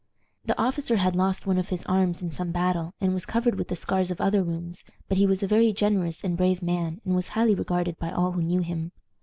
The officer had lost one of his arms in some battle, and was covered with the scars of other wounds; but he was a very generous and brave man, and was highly regarded by all who knew him.